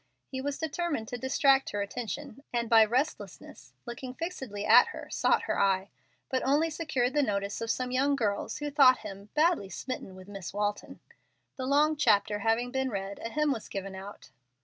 He was determined to distract her attention, and by restlessness, by looking fixedly at her, sought her eye, but only secured the notice of some young girls who thought him "badly smitten with Miss Walton." The long chapter having been read, a hymn was given out.